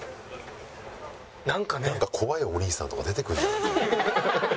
なんか怖いお兄さんとか出てくるんじゃない？